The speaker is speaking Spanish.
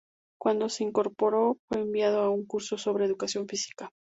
Cuando se incorporó, fue enviado a un curso sobre educación física.